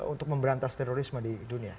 untuk memberantas terorisme di dunia